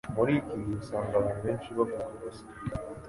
Muri iki gihe usanga abantu benshi bavuga ubusa